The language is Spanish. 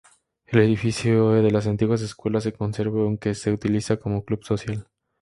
El edificio de las antiguas escuelas se conserva aunque se utiliza como club social.